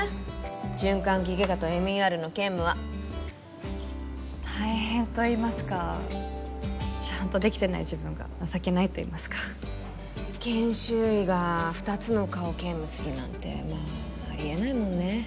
循環器外科とＭＥＲの兼務は大変といいますかちゃんとできてない自分が情けないといいますか研修医が二つの科を兼務するなんてまああり得ないもんね